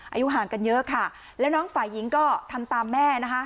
อายุห่างกันเยอะค่ะแล้วน้องฝ่ายหญิงก็ทำตามแม่นะคะ